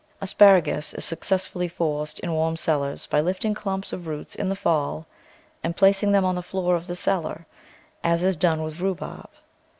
Asparagus is successfully forced in warm cellars by lifting clumps of roots in the fall and placing them on the floor of the cellar, as is done with rhubarb.